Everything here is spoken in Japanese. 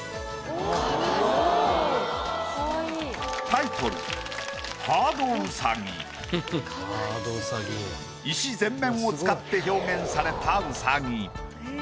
タイトル石全面を使って表現されたウサギ。